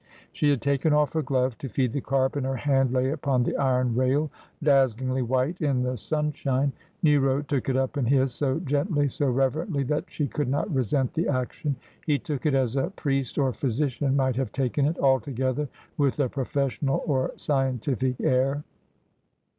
She had taken ofE her glove to feed the carp, and her hand lay upon the iron rail, dazzlingly white in the sunshine ; Nero took it up in his, so gently, so reverently, that she could not resent the action. He took it as a priest or physician might have taken it : altogether with a professional or scientific air.